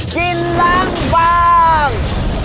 กินล้างบาง